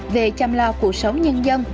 về chăm lo cuộc sống nhân dân